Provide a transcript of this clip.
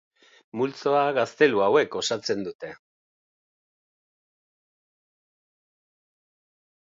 Multzoa gaztelu hauek osatzen dute.